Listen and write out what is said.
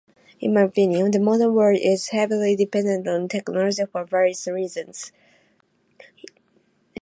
In my opinion, the modern world is heavily dependent on technology for various reasons.